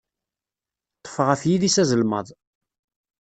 Ṭṭes ɣef yidis azelmaḍ.